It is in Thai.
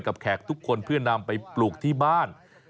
แขกทุกคนเพื่อนำไปปลูกที่บ้าน